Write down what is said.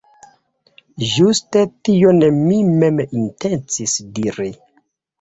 Ĝuste tion mi mem intencis diri.